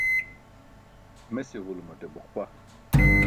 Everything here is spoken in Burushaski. Mes iġulumaṭe buqpa.